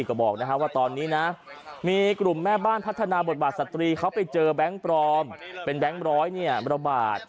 ก็บอกว่าตอนนี้นะมีกลุ่มแม่บ้านพัฒนาบทบาทสตรีเขาไปเจอแบงค์ปลอมเป็นแบงค์ร้อยระบาด